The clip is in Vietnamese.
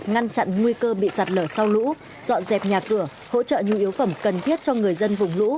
ngăn chặn nguy cơ bị sạt lở sau lũ dọn dẹp nhà cửa hỗ trợ nhu yếu phẩm cần thiết cho người dân vùng lũ